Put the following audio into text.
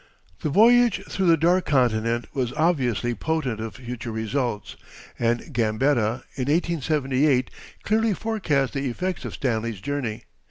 ] The voyage through the Dark Continent was obviously potent of future results, and Gambetta, in 1878, clearly forecast the effects of Stanley's journey.